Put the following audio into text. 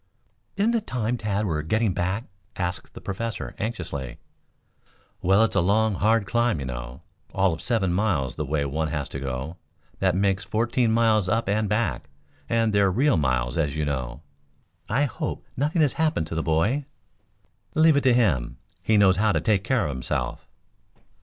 "Isn't it time Tad were getting back?" asked the Professor anxiously. "Well, it's a long, hard climb, you know. All of seven miles the way one has to go. That makes fourteen miles up and back, and they're real miles, as you know." "I hope nothing has happened to the boy." "Leave it to him. He knows how to take care of himself."